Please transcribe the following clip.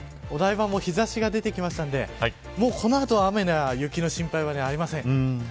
お台場も日差しが出てきたのでこの後は雨や雪の心配はありません。